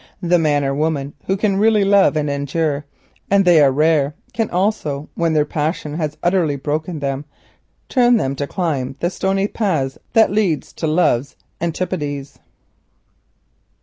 The man or woman who can really love and endure—and they are rare—can also, when their passion has utterly broken them, turn to climb the stony paths that lead to love's antipodes.